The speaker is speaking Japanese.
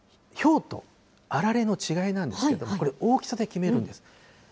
ひょうとあられの違いなんですけど、これ、大きさで決めるんです。